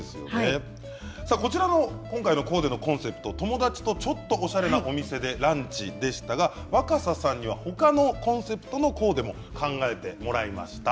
今回のコーデのコンセプトは友達とちょっとおしゃれなお店でランチ、でしたが若狭さんにほかのコンセプトのコーデも考えてもらいました。